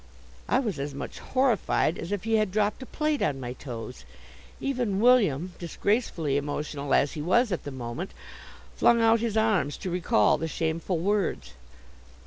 I was as much horrified as if he had dropped a plate on my toes. Even William, disgracefully emotional as he was at the moment, flung out his arms to recall the shameful words.